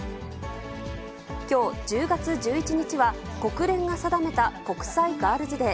きょう１０月１１日は、国連が定めた国際ガールズデー。